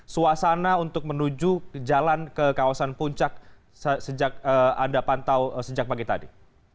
suasana untuk menuju jalan ke kawasan puncak sejak anda pantau sejak pagi tadi